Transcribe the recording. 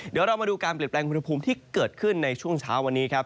เดี๋ยวเรามาดูการเปลี่ยนแปลงอุณหภูมิที่เกิดขึ้นในช่วงเช้าวันนี้ครับ